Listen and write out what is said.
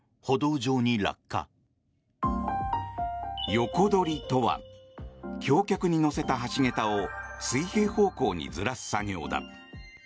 横取りとは橋脚に載せた橋桁を水平方向にずらす作業だ。